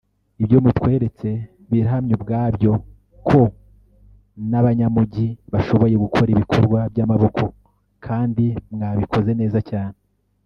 Ibyo mutweretse birahamya ubwabyo ko n’abanyamujyi bashoboye gukora ibikorwa by’amaboko kandi mwabikoze neza cyane